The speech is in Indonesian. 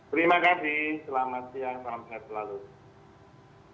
terima kasih selamat siang